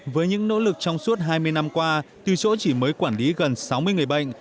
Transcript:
với những nỗ lực trong suốt hai mươi năm qua từ chỗ chỉ mới quản lý gần sáu mươi người bệnh